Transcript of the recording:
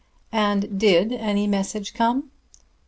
"And did any message come?"